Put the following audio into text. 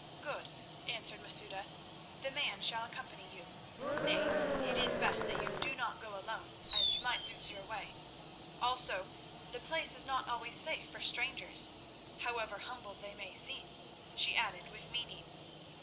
"Good," answered Masouda, "the man shall accompany you—nay, it is best that you do not go alone, as you might lose your way. Also, the place is not always safe for strangers, however humble they may seem," she added with meaning.